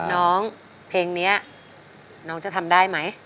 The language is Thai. น้องเพลงนี้น้องจะทำได้ไหม